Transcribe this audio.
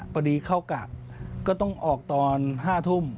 พอดีเข้ากะก็ต้องออกตอน๕ทุ่ม